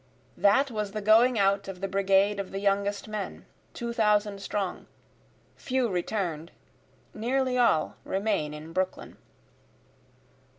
That was the going out of the brigade of the youngest men, two thousand strong, Few return'd, nearly all remain in Brooklyn.